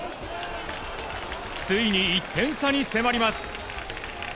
ついに１点差に迫ります。